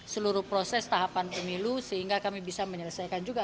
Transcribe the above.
seluruh proses tahapan pemilu sehingga kami bisa menyelesaikan juga